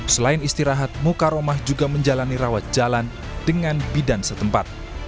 selain istirahat mukaromah juga menjalani rawat jalan dengan bidan setempat